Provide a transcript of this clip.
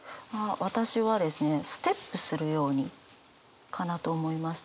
私はですねステップするようにかなと思いました。